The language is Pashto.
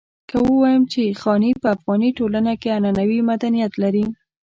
که ووايم چې خاني په افغاني ټولنه کې عنعنوي مدنيت لري.